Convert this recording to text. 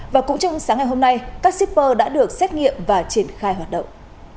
và cũng trong sáng ngày hôm nay các shipper đã được xét nghiệm và triển khai hoạt động